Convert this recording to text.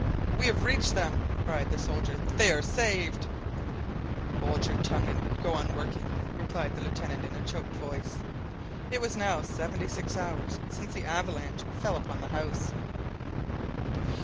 "We have reached them!" cried the soldier, "they are saved." "Hold your tongue, and go on working," replied the Lieutenant in a choked voice. It was now seventy six hours since the avalanche fell upon the house!